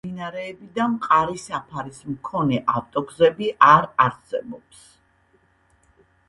მდინარეები და მყარი საფარის მქონე ავტოგზები არარსებობს.